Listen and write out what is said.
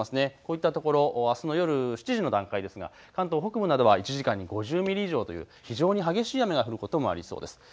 こういったところ、あすの夜７時の段階ですが関東北部などは１時間に５０ミリ以上という非常に激しい雨が降ることもありそうです。